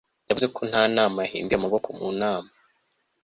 Yavuze ko nta nama yahinduye amaboko mu nama